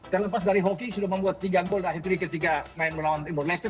terlepas dari hoki sudah membuat tiga gol di akhir tiga ketika main melawan leicester